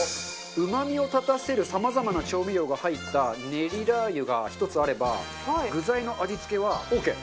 うまみを立たせるさまざまな調味料が入ったねりラー油が１つあれば具材の味付けはオーケー。